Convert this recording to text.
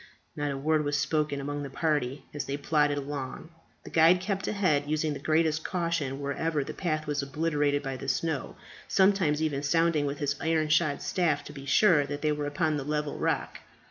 Not a word was spoken among the party as they plodded along. The guide kept ahead, using the greatest caution wherever the path was obliterated by the snow, sometimes even sounding with his iron shod staff to be sure that they were upon the level rock.